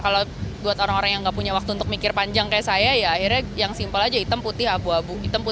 kalau buat orang orang yang gak punya waktu untuk mikir panjang kayak saya ya akhirnya yang simpel aja hitam putih abu abu